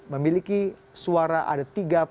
memiliki suara ada tiga